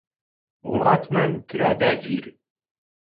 وڵاتمان کرا داگیر